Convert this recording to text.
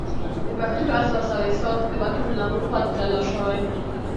د پښتون اساس او احساس د وطن له مفاد جلا شوی.